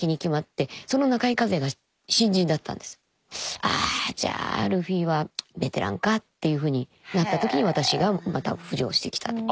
まあああじゃあルフィはベテランかっていうふうになったときに私がまた浮上してきたっていう。